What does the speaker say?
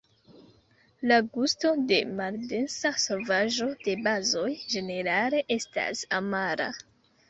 La gusto de maldensa solvaĵo de bazoj ĝenerale estas amara.